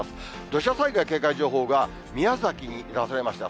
土砂災害警戒情報が宮崎に出されました。